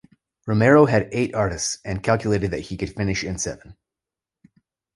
Romero had eight artists, and calculated that he could finish in seven.